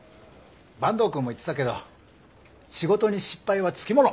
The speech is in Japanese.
坂東くんも言ってたけど仕事に失敗はつきもの。